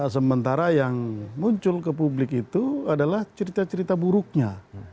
sementara yang muncul ke publik itu adalah cerita cerita buruknya